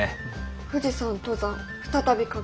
「富士山登山再び活況を」。